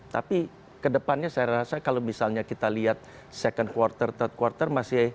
tapi kedepannya saya rasa kalau misalnya kita lihat second quarter thout quarter